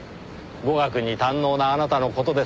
語学に堪能なあなたの事です。